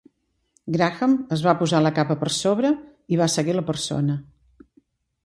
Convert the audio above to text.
Graham es va posar la capa per sobre i va seguir la persona.